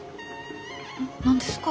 何ですか？